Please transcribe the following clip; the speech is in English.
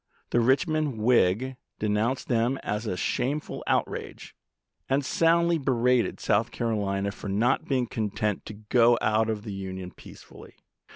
The " Kich mond Whig " denounced them as a " shameful outrage," and soundly berated South Carolina for not being content to go out of the Union peacefully.